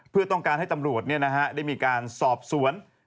เพื่อต้องการให้ตำรวจได้มีการสอบสวน